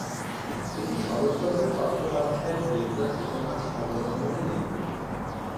এটি শরৎচন্দ্র চট্টোপাধ্যায়ের "দেবদাস" উপন্যাস অবলম্বনে নির্মিত।